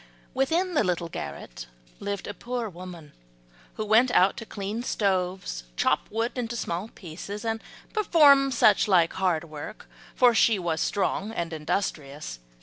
Within the little garret lived a poor woman, who went out to clean stoves, chop wood into small pieces and perform such like hard work, for she was strong and industrious.